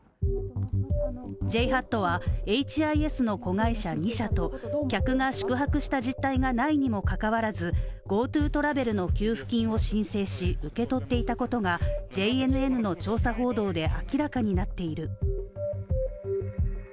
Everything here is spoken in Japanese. ＪＨＡＴは、エイチ・アイ・エスの子会社２社と、客が宿泊した実態がないにもかかわらずＧｏＴｏトラベルの給付金を申請し受け取っていたことがＪＮＮの調査報道で明らかになっている。